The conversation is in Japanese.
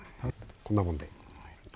こんなもんで。